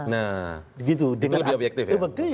nah itu lebih objektif ya